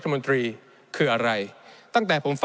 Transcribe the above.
ในช่วงที่สุดในรอบ๑๖ปี